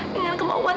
dengan kemauan tante